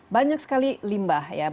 banyak sekali limbah ya